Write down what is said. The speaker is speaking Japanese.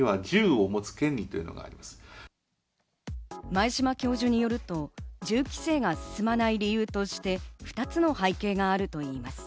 前嶋教授によると、銃規制が進まない理由として、２つの背景があるといいます。